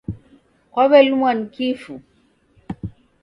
Kwaw'elumwa ni kifu?